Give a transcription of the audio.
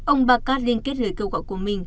ông bakat liên kết lời kêu gọi của mỹ